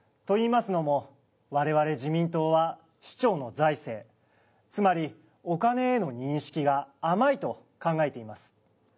といいますのも我々自民党は市長の財政つまりお金への認識が甘いと考えています。